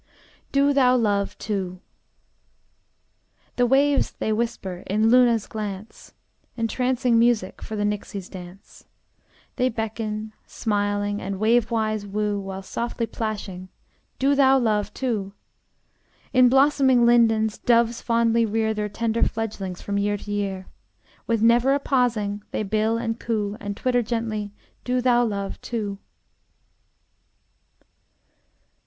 DO THOU LOVE, TOO! The waves they whisper In Luna's glance, Entrancing music For the nixies' dance. They beckon, smiling, And wavewise woo, While softly plashing: "Do thou love, too!" In blossoming lindens Doves fondly rear Their tender fledglings From year to year. With never a pausing, They bill and coo, And twitter gently: "Do thou love, too!"